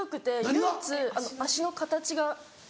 唯一足の形が。